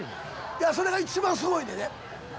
いやそれが一番すごいねんで。